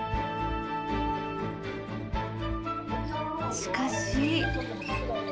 しかし。